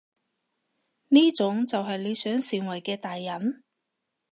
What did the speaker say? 呢種就係你想成為嘅大人？